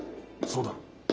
そうだろ？